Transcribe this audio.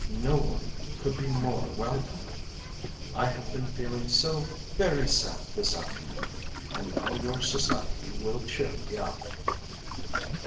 "No one could be more welcome. I have been feeling so very sad this afternoon, and now your society will cheer me up."